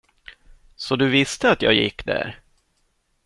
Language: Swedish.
Så du visste att jag gick där?